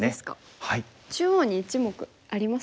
中央に１目ありますかね。